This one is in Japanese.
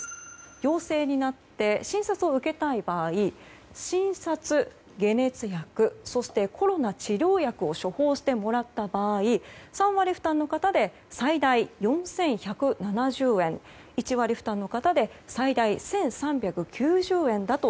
陽性になって診察を受けたい場合診察、解熱薬そしてコロナ治療薬を処方してもらった場合３割負担の方で最大４１７０円１割負担の方で最大１３９０円だと